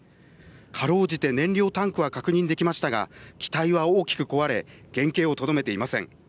かろうじて燃料タンクは確認できましたが機体は大きく壊れ原形はとどめていません。